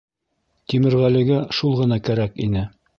Тимерғәлегә шул ғына көрәк ине.